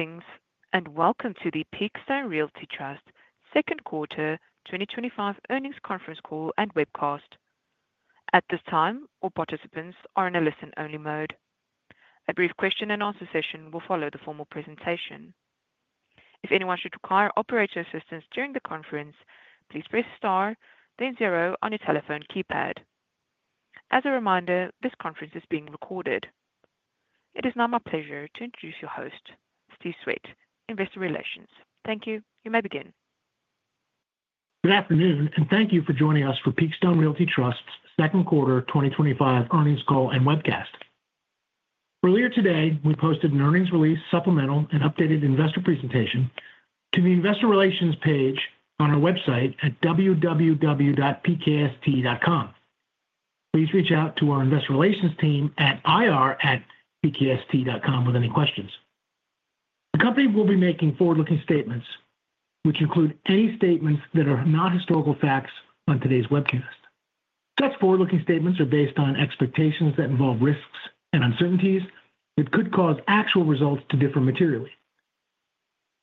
Greetings and welcome to the Peakstone Realty Trust Second Quarter 2025 Earnings Conference Call and Webcast. At this time, all participants are in a listen-only mode. A brief question and answer session will follow the formal presentation. If anyone should require operator assistance during the conference, please press star, then zero on your telephone keypad. As a reminder, this conference is being recorded. It is now my pleasure to introduce your host, Stephen Swett, Investor Relations. Thank you. You may begin. Good afternoon and thank you for joining us for Peakstone Realty Trust's second quarter 2025 earnings call and webcast. Earlier today, we posted an earnings release, supplemental, and updated investor presentation to the investor relations page on our website at www.pkst.com. Please reach out to our investor relations team at ir@pkst.com with any questions. The company will be making forward-looking statements, which include any statements that are not historical facts on today's webcast. Such forward-looking statements are based on expectations that involve risks and uncertainties that could cause actual results to differ materially.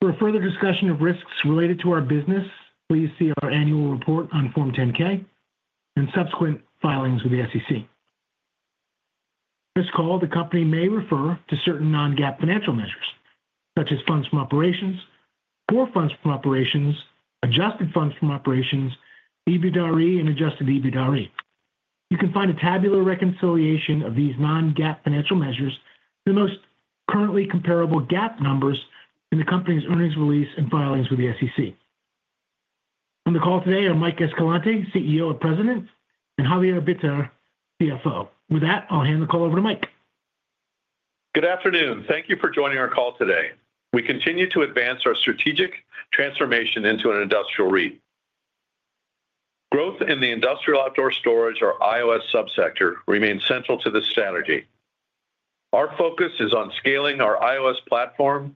For further discussion of risks related to our business, please see our annual report on Form 10-K and subsequent filings with the SEC. During this call, the company may refer to certain non-GAAP financial measures, such as funds from operations, core funds from operations, adjusted funds from operations, EBIDTDAre, and adjusted EBIDTDAre. You can find a tabular reconciliation of these non-GAAP financial measures to the most currently comparable GAAP numbers in the company's earnings release and filings with the SEC. On the call today are Mike Escalante, CEO and President, and Javier Bitar, CFO. With that, I'll hand the call over to Mike. Good afternoon. Thank you for joining our call today. We continue to advance our strategic transformation into an industrial REIT. Growth in the industrial outdoor storage, our IOS subsector, remains central to this strategy. Our focus is on scaling our IOS platform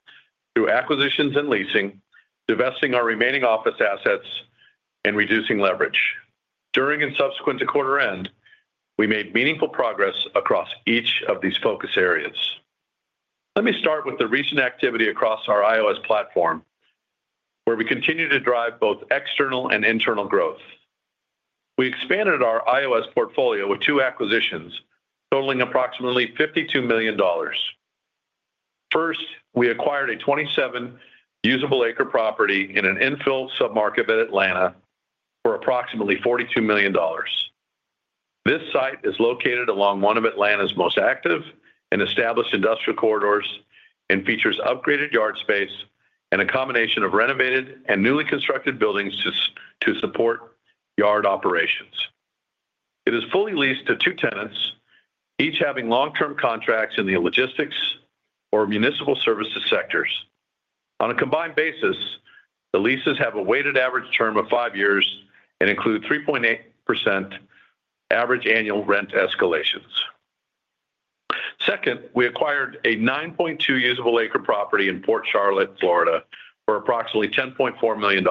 through acquisitions and leasing, divesting our remaining office assets, and reducing leverage. During and subsequent to quarter end, we made meaningful progress across each of these focus areas. Let me start with the recent activity across our IOS platform, where we continue to drive both external and internal growth. We expanded our IOS portfolio with two acquisitions totaling approximately $52 million. First, we acquired a 27 usable acre property in an infill submarket in Atlanta for approximately $42 million. This site is located along one of Atlanta's most active and established industrial corridors and features upgraded yard space and a combination of renovated and newly constructed buildings to support yard operations. It is fully leased to two tenants, each having long-term contracts in the logistics or municipal services sectors. On a combined basis, the leases have a weighted average term of five years and include 3.8% average annual rent escalations. Second, we acquired a 9.2-usable acre property in Port Charlotte, Florida, for approximately $10.4 million.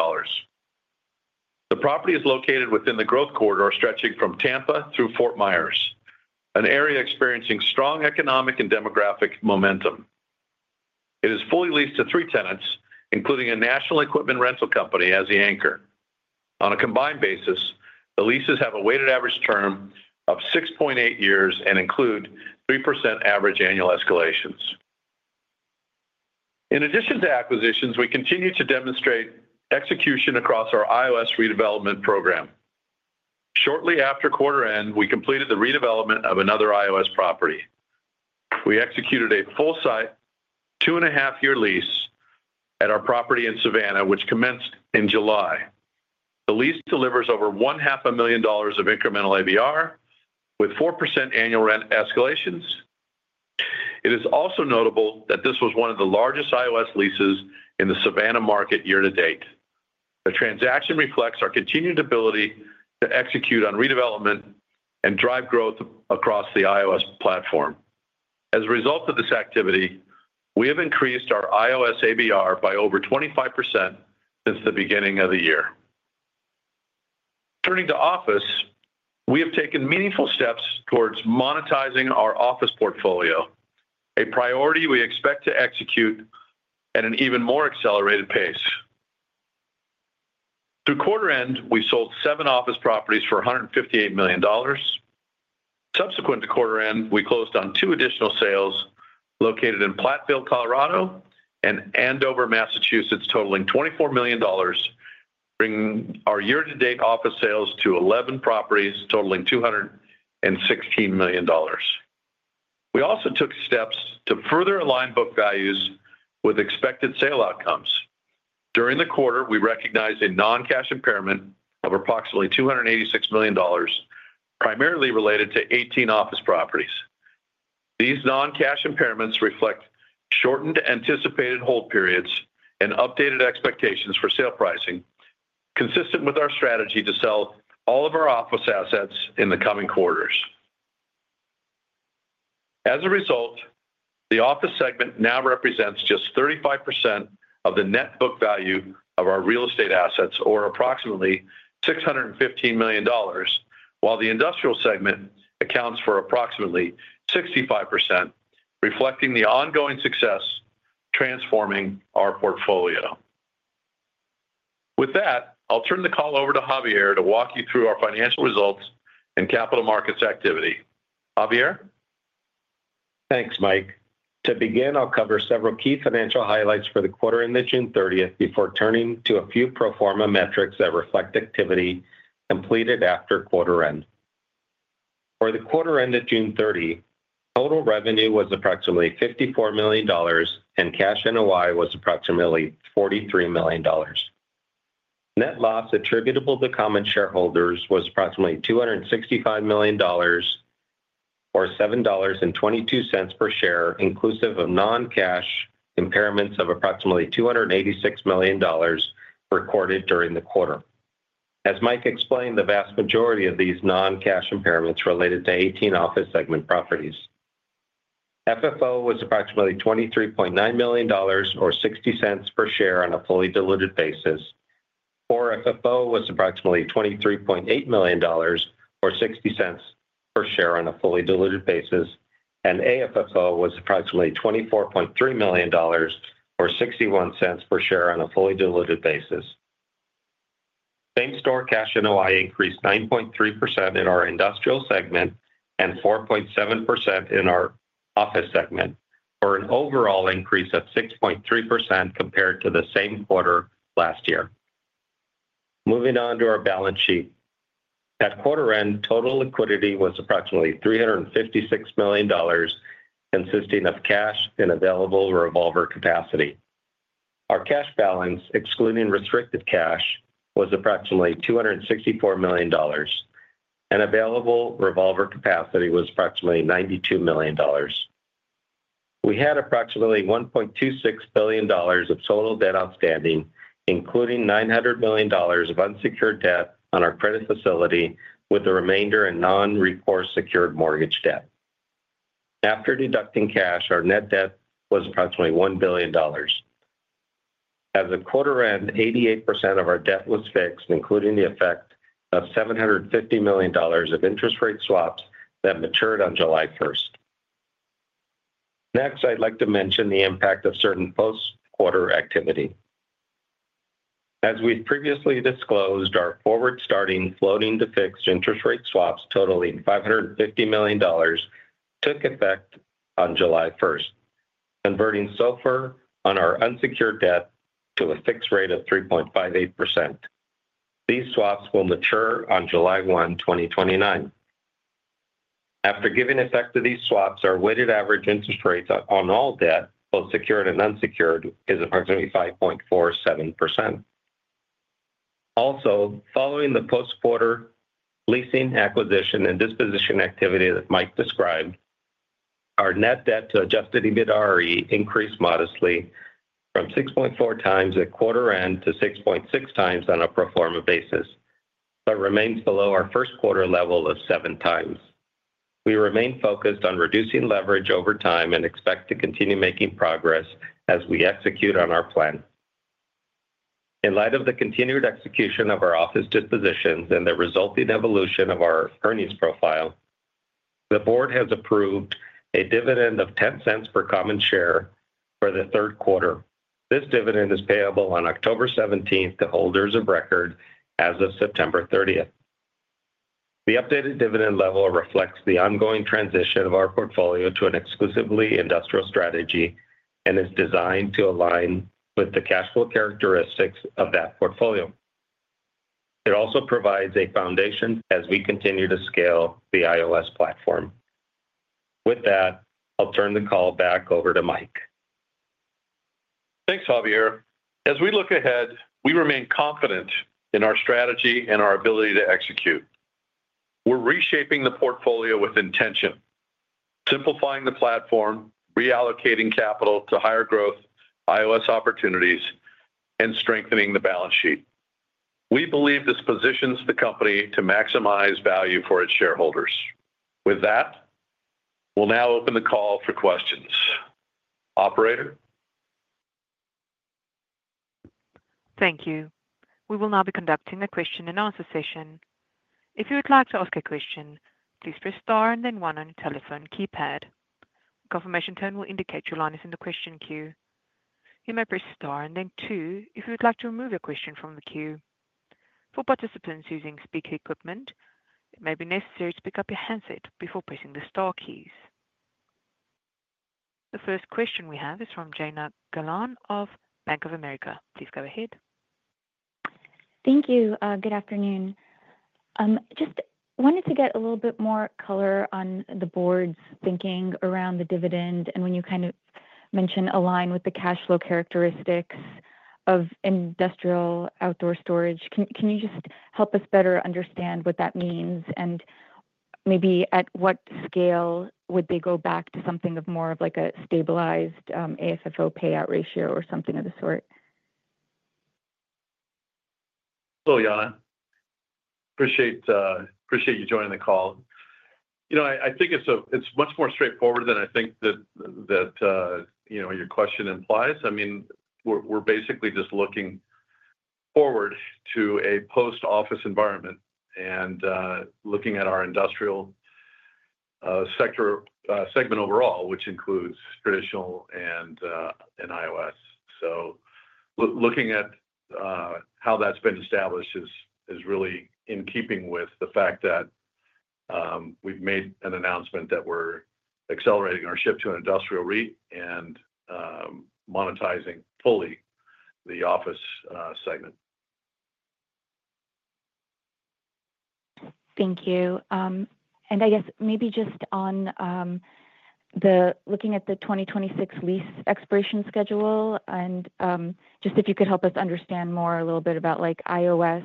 The property is located within the growth corridor stretching from Tampa through Fort Myers, an area experiencing strong economic and demographic momentum. It is fully leased to three tenants, including a national equipment rental company as the anchor. On a combined basis, the leases have a weighted average term of 6.8 years and include 3% average annual escalations. In addition to acquisitions, we continue to demonstrate execution across our IOS redevelopment program. Shortly after quarter end, we completed the redevelopment of another IOS property. We executed a full-site, two-and-a-half-year lease at our property in Savannah, which commenced in July. The lease delivers over $0.5 million of incremental AVR with 4% annual rent escalations. It is also notable that this was one of the largest IOS leases in the Savannah market year to date. The transaction reflects our continued ability to execute on redevelopment and drive growth across the IOS platform. As a result of this activity, we have increased our IOS ABR by over 25% since the beginning of the year. Turning to office, we have taken meaningful steps towards monetizing our office portfolio, a priority we expect to execute at an even more accelerated pace. Through quarter end, we sold seven office properties for $158 million. Subsequent to quarter end, we closed on two additional sales located in Platteville, Colorado, and Andover, Massachusetts, totaling $24 million, bringing our year-to-date office sales to 11 properties totaling $216 million. We also took steps to further align book values with expected sale outcomes. During the quarter, we recognized a non-cash impairment of approximately $286 million, primarily related to 18 office properties. These non-cash impairments reflect shortened anticipated hold periods and updated expectations for sale pricing, consistent with our strategy to sell all of our office assets in the coming quarters. As a result, the office segment now represents just 35% of the net book value of our real estate assets, or approximately $615 million, while the industrial segment accounts for approximately 65%, reflecting the ongoing success of transforming our portfolio. With that, I'll turn the call over to Javier to walk you through our financial results and capital markets activity. Javier? Thanks, Mike. To begin, I'll cover several key financial highlights for the quarter ended June 30th before turning to a few pro forma metrics that reflect activity completed after quarter end. For the quarter ended June 30, total revenue was approximately $54 million, and cash NOI was approximately $43 million. Net loss attributable to common shareholders was approximately $265 million, or $7.22 per share, inclusive of non-cash impairments of approximately $286 million recorded during the quarter. As Mike explained, the vast majority of these non-cash impairments related to 18 office segment properties. FFO was approximately $23.9 million, or $0.60 per share on a fully diluted basis. FFO was approximately $23.8 million, or $0.60 per share on a fully diluted basis, and AFFO was approximately $24.3 million, or $0.61 per share on a fully diluted basis. Same-store cash NOI increased 9.3% in our Industrial segment and 4.7% in our Office segment, for an overall increase of 6.3% compared to the same quarter last year. Moving on to our balance sheet. At quarter end, total liquidity was approximately $356 million, consisting of cash and available revolver capacity. Our cash balance, excluding restricted cash, was approximately $264 million, and available revolver capacity was approximately $92 million. We had approximately $1.26 billion of total debt outstanding, including $900 million of unsecured debt on our credit facility, with the remainder in non-recourse secured mortgage debt. After deducting cash, our net debt was approximately $1 billion. As of quarter end, 88% of our debt was fixed, including the effect of $750 million of interest rate swaps that matured on July 1st. Next, I'd like to mention the impact of certain post-quarter activity. As we've previously disclosed, our forward starting floating to fixed interest rate swaps totaling $550 million took effect on July 1st, converting so far on our unsecured debt to a fixed rate of 3.58%. These swaps will mature on July 1, 2029. After giving effect to these swaps, our weighted average interest rates on all debt, both secured and unsecured, is approximately 5.47%. Also, following the post-quarter leasing, acquisition, and disposition activity that Mike described, our net debt to adjusted EBITDAre increased modestly from 6.4x at quarter end to 6.6x on a pro forma basis, but remains below our first quarter level of 7x. We remain focused on reducing leverage over time and expect to continue making progress as we execute on our plan. In light of the continued execution of our office dispositions and the resulting evolution of our earnings profile, the board has approved a dividend of $0.10 per common share for the third quarter. This dividend is payable on October 17th to holders of record as of September 30th. The updated dividend level reflects the ongoing transition of our portfolio to an exclusively industrial strategy and is designed to align with the cash flow characteristics of that portfolio. It also provides a foundation as we continue to scale the IOS platform. With that, I'll turn the call back over to Mike. Thanks, Javier. As we look ahead, we remain confident in our strategy and our ability to execute. We're reshaping the portfolio with intention, simplifying the platform, reallocating capital to higher growth IOS opportunities, and strengthening the balance sheet. We believe this positions the company to maximize value for its shareholders. With that, we'll now open the call for questions. Operator? Thank you. We will now be conducting a question and answer session. If you would like to ask a question, please press star and then one on your telephone keypad. A confirmation tone will indicate your line is in the question queue. You may press star and then two if you would like to remove your question from the queue. For participants using speaker equipment, it may be necessary to pick up your handset before pressing the star keys. The first question we have is from Jana Galan of Bank of America. Please go ahead. Thank you. Good afternoon. I just wanted to get a little bit more color on the Board's thinking around the dividend and when you kind of mentioned align with the cash flow characteristics of industrial outdoor storage. Can you just help us better understand what that means and maybe at what scale would they go back to something of more of like a stabilized AFFO payout ratio or something of the sort? Hello, Jana. Appreciate you joining the call. I think it's much more straightforward than I think your question implies. We're basically just looking forward to a post-office environment and looking at our industrial sector segment overall, which includes traditional and IOS. Looking at how that's been established is really in keeping with the fact that we've made an announcement that we're accelerating our shift to an industrial REIT and monetizing fully the office segment. Thank you. I guess maybe just on looking at the 2026 lease expiration schedule, if you could help us understand more a little bit about IOS,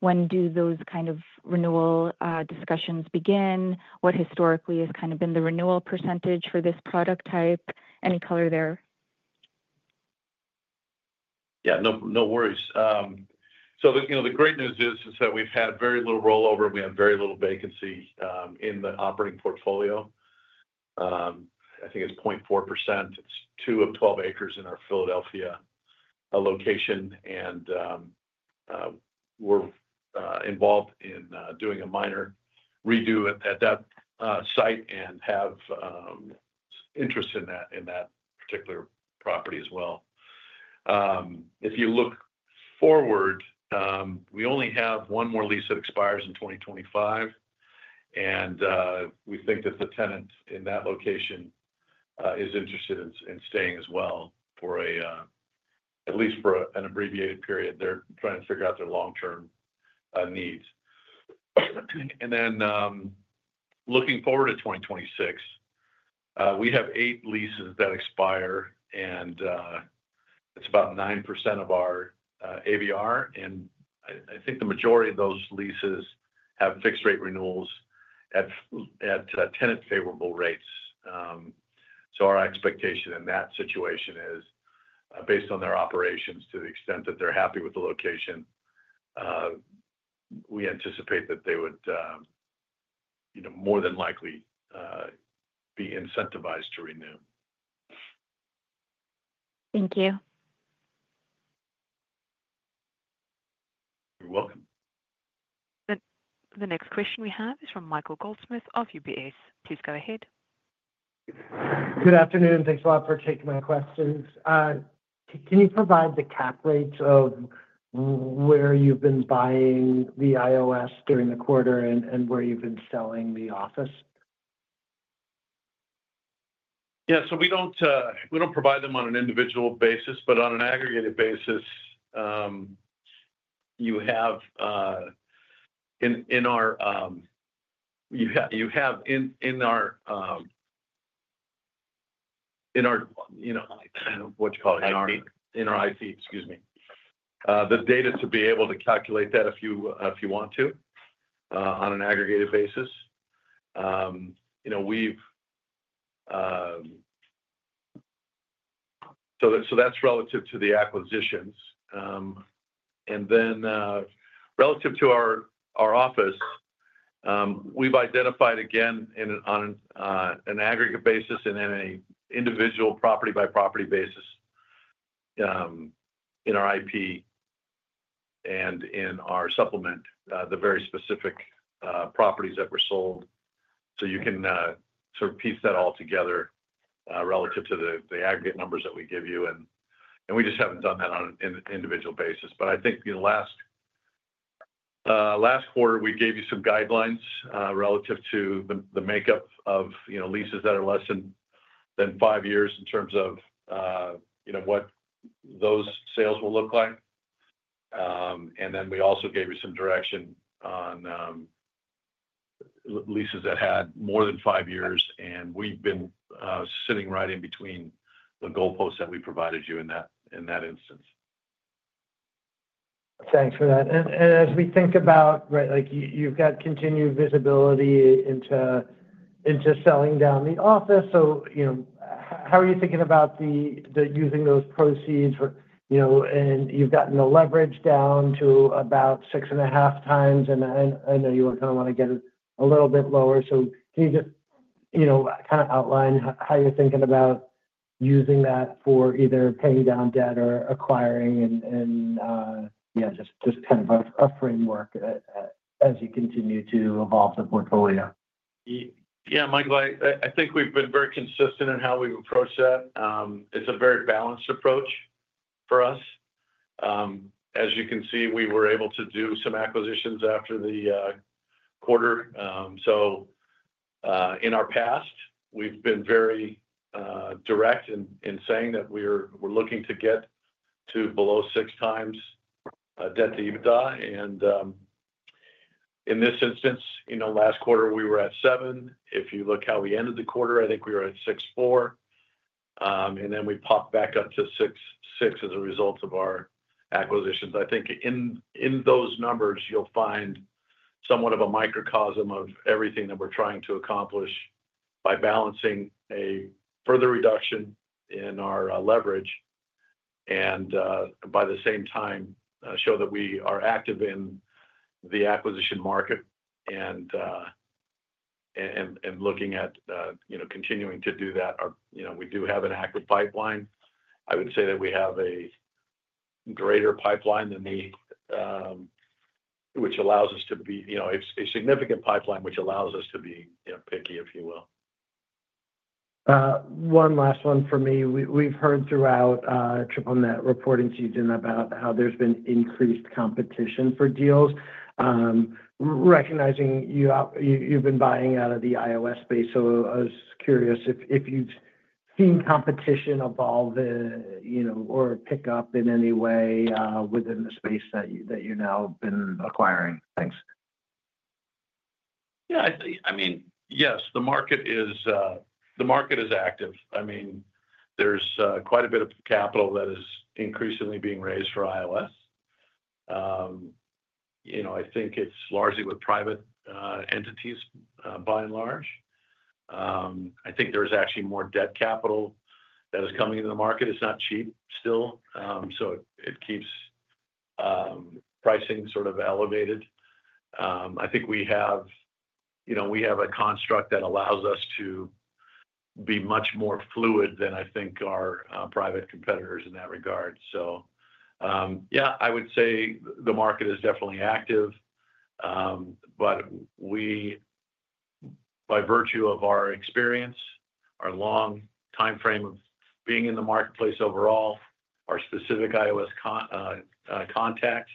when do those kind of renewal discussions begin? What historically has kind of been the renewal percentage for this product type? Any color there? No worries. The great news is that we've had very little rollover and we had very little vacancy in the operating portfolio. I think it's 0.4%. It's 2 of 12 acres in our Philadelphia location. We're involved in doing a minor redo at that site and have interest in that particular property as well. If you look forward, we only have one more lease that expires in 2025. We think that the tenant in that location is interested in staying as well for at least an abbreviated period. They're trying to figure out their long-term needs. Looking forward to 2026, we have eight leases that expire, and it's about 9% of our ABR. I think the majority of those leases have fixed-rate renewals at tenant-favorable rates. Our expectation in that situation is, based on their operations, to the extent that they're happy with the location, we anticipate that they would more than likely be incentivized to renew. Thank you. You're welcome. The next question we have is from Michael Goldsmith of UBS. Please go ahead. Good afternoon. Thanks a lot for taking my questions. Can you provide the cap rates of where you've been buying the IOS during the quarter and where you've been selling the office? Yeah. We don't provide them on an individual basis, but on an aggregated basis, you have in our IP, excuse me, the data to be able to calculate that if you want to on an aggregated basis. That's relative to the acquisitions. Relative to our office, we've identified, again, on an aggregate basis and on an individual property-by-property basis in our IP and in our supplement, the very specific properties that were sold. You can sort of piece that all together relative to the aggregate numbers that we give you. We just haven't done that on an individual basis. I think the last quarter, we gave you some guidelines relative to the makeup of leases that are less than five years in terms of what those sales will look like. We also gave you some direction on leases that had more than five years, and we've been sitting right in between the goalposts that we provided you in that instance. Thanks for that. As we think about, right, like you've got continued visibility into selling down the Office, how are you thinking about using those proceeds? You've gotten the leverage down to about 6.5x, and I know you kind of want to get a little bit lower. Can you just kind of outline how you're thinking about using that for either paying down debt or acquiring, and just kind of a framework as you continue to evolve the portfolio? Yeah, Mike, I think we've been very consistent in how we've approached that. It's a very balanced approach for us. As you can see, we were able to do some acquisitions after the quarter. In our past, we've been very direct in saying that we're looking to get to below 6x debt to EBITDA. In this instance, last quarter, we were at seven. If you look at how we ended the quarter, I think we were at 6.4. We popped back up to 6.6 as a result of our acquisitions. In those numbers, you'll find somewhat of a microcosm of everything that we're trying to accomplish by balancing a further reduction in our leverage and at the same time, show that we are active in the acquisition market and looking at continuing to do that. We do have an active pipeline. I would say that we have a greater pipeline, which allows us to be, you know, a significant pipeline, which allows us to be, you know, picky, if you will. One last one from me. We've heard throughout reporting season about how there's been increased competition for deals, recognizing you've been buying out of the IOS space. I was curious if you've seen competition evolve or pick up in any way within the space that you've now been acquiring. Thanks. Yeah. I mean, yes, the market is active. I mean, there's quite a bit of capital that is increasingly being raised for IOS. I think it's largely with private entities by and large. I think there's actually more debt capital that is coming into the market. It's not cheap still, so it keeps pricing sort of elevated. I think we have a construct that allows us to be much more fluid than I think our private competitors in that regard. I would say the market is definitely active. By virtue of our experience, our long timeframe of being in the marketplace overall, our specific IOS contact,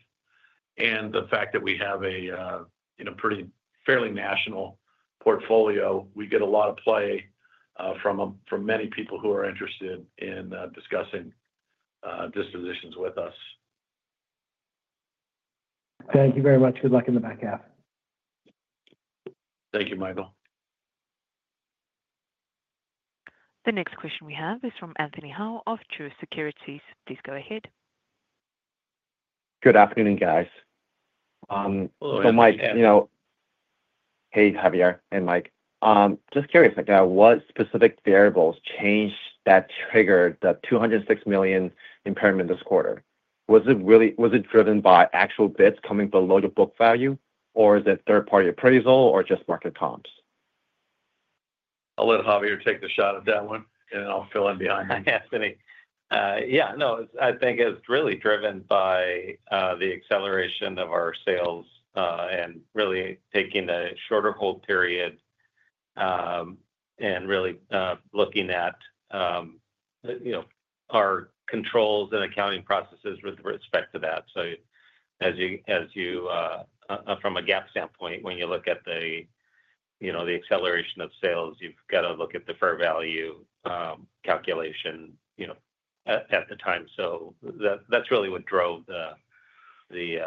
and the fact that we have a pretty fairly national portfolio, we get a lot of play from many people who are interested in discussing dispositions with us. Thank you very much. Good luck in the back half. Thank you, Mike. The next question we have is from Anthony Hau of Truist Securities. Please go ahead. Good afternoon, guys. Hey, Javier and Mike. Just curious, like what specific variables changed that triggered the [$286 million] impairment this quarter? Was it really, was it driven by actual bids coming below the book value, or is it third-party appraisal or just market comps? I'll let Javier take the shot at that one, and then I'll fill in behind him. Anthony. I think it's really driven by the acceleration of our sales and really taking the shorter hold period and really looking at our controls and accounting processes with respect to that. As you, from a GAAP standpoint, when you look at the acceleration of sales, you've got to look at the fair value calculation at the time. That's really what drove the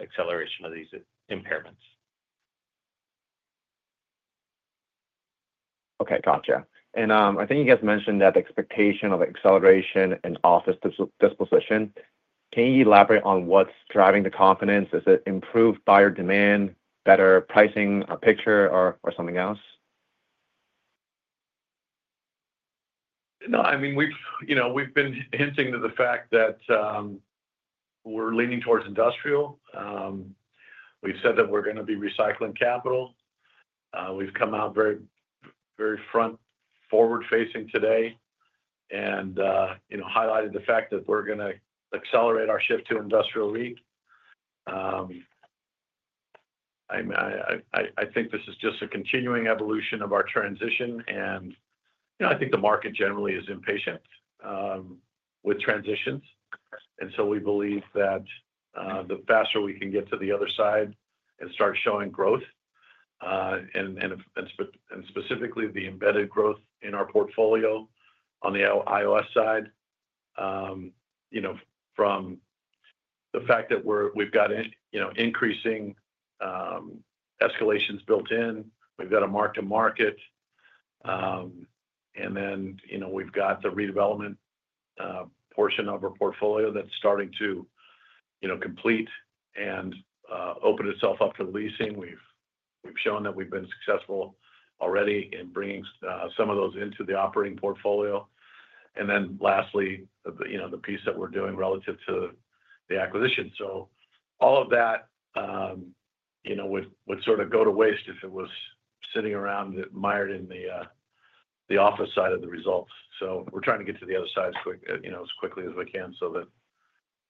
acceleration of these impairments. Okay. Gotcha. I think you guys mentioned that the expectation of acceleration in office disposition. Can you elaborate on what's driving the confidence? Is it improved buyer demand, better pricing picture, or something else? No. I mean, we've been hinting to the fact that we're leaning towards industrial. We've said that we're going to be recycling capital. We've come out very, very front forward-facing today and highlighted the fact that we're going to accelerate our shift to industrial REIT. I think this is just a continuing evolution of our transition. I think the market generally is impatient with transitions. We believe that the faster we can get to the other side and start showing growth, and specifically the embedded growth in our portfolio on the IOS side, from the fact that we've got increasing escalations built in, we've got a mark-to-market, and then we've got the redevelopment portion of our portfolio that's starting to complete and open itself up for leasing. We've shown that we've been successful already in bringing some of those into the operating portfolio. Lastly, the piece that we're doing relative to the acquisition. All of that would sort of go to waste if it was sitting around mired in the office side of the results. We're trying to get to the other side as quickly as we can so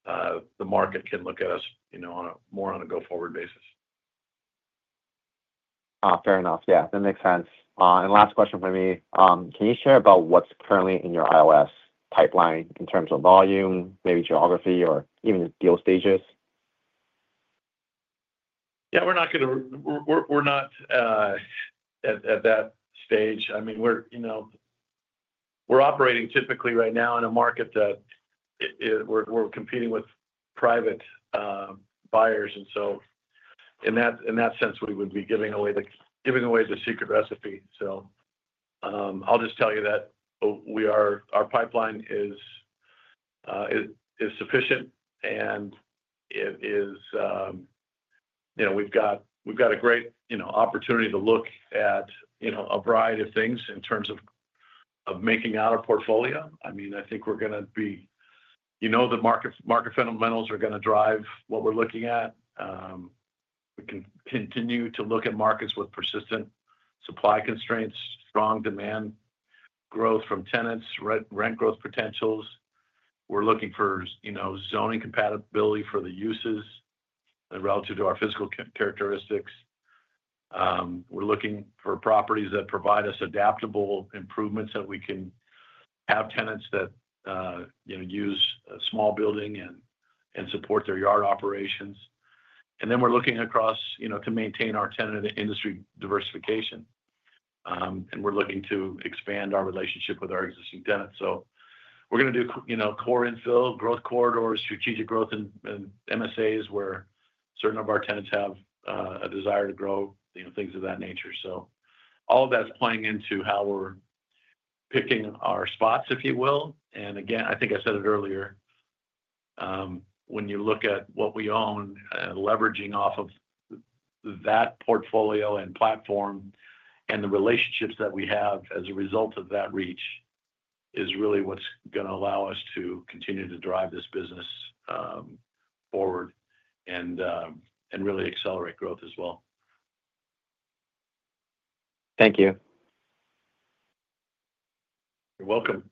that the market can look at us more on a go-forward basis. Fair enough. Yeah, that makes sense. Last question for me. Can you share about what's currently in your IOS pipeline in terms of volume, maybe geography, or even deal stages? Yeah, we're not at that stage. I mean, we're operating typically right now in a market that we're competing with private buyers. In that sense, we would be giving away the secret recipe. I'll just tell you that our pipeline is sufficient, and it is, you know, we've got a great opportunity to look at a variety of things in terms of making out a portfolio. I think we're going to be, you know, the market fundamentals are going to drive what we're looking at. We can continue to look at markets with persistent supply constraints, strong demand growth from tenants, rent growth potentials. We're looking for zoning compatibility for the uses relative to our physical characteristics. We're looking for properties that provide us adaptable improvements that we can have tenants that use a small building and support their yard operations. We're looking across to maintain our tenant industry diversification. We're looking to expand our relationship with our existing tenants. We're going to do core infill, growth corridors, strategic growth, and MSAs where certain of our tenants have a desire to grow, things of that nature. All of that's playing into how we're picking our spots, if you will. I think I said it earlier, when you look at what we own, leveraging off of that portfolio and platform and the relationships that we have as a result of that reach is really what's going to allow us to continue to drive this business forward and really accelerate growth as well. Thank you. You're welcome.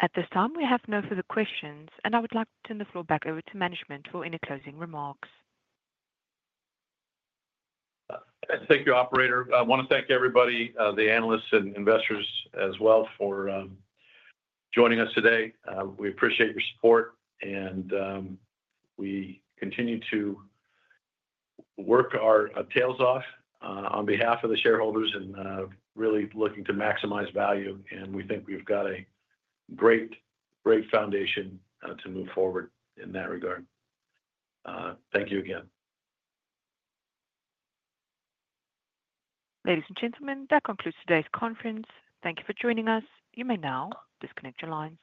At this time, we have no further questions, and I would like to turn the floor back over to management for any closing remarks. Thank you, Operator. I want to thank everybody, the analysts and investors as well, for joining us today. We appreciate your support, and we continue to work our tails off on behalf of the shareholders and really looking to maximize value. We think we've got a great, great foundation to move forward in that regard. Thank you again. Ladies and gentlemen, that concludes today's conference. Thank you for joining us. You may now disconnect your lines.